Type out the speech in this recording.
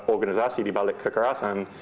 organisasi dibalik kekerasan